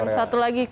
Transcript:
dan satu lagi